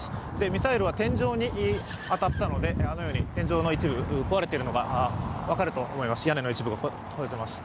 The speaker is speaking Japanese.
ミサイルは天井に当たったので、あのように天井の一部、壊れているのが分かります。